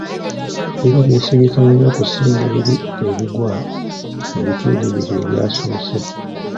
Biba byesigika nnyo okusinga biri ebigwa mu biti ebibiri ebyasoose.